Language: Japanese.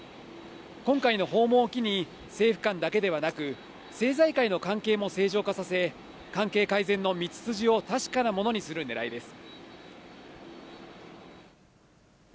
今回の訪問を機に、政府間だけではなく、政財界の関係も正常化させ、関係改善の道筋を確かなものにするねらいです。